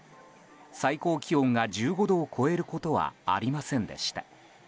最高気温が１５度を超えることはありませんでした。